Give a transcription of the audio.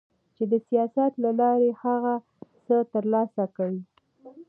چي د سياست له لارې هغه څه ترلاسه کړي